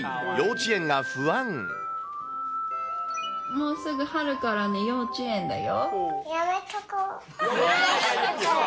もうすぐ春からね、幼稚園だやめとこ！